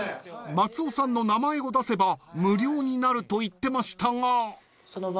［松尾さんの名前を出せば無料になると言ってましたが］